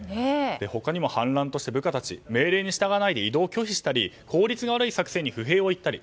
他にも反乱として部下たち命令に従わないで移動拒否したり効率が悪い作戦に不平を言ったり。